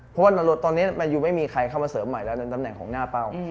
เพราะเขาไม่มีใครเข้ามาเสิร์ฟใหม่ในตำแหน่งของหน้าเป้า